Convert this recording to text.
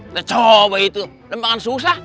udah coba itu udah makan susah